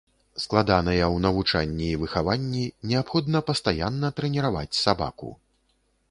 Складаныя ў навучанні і выхаванні, неабходна пастаянна трэніраваць сабаку.